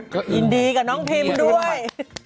ก็ยินดีกับน้องพิมด้วย